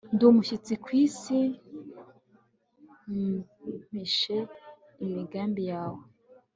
ndi umushyitsi ku isi, ntumpishe imigambi yawe